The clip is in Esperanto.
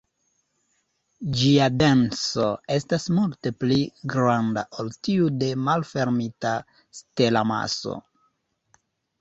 Ĝia denso estas multe pli granda ol tiu de malfermita stelamaso.